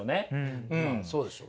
そうでしょう。